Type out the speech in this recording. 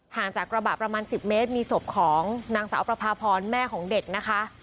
ห่างจากกระบะประมาณ๑๐เมตรมีศพของนางสาวประพาพรแม่ของเด็กนะคะ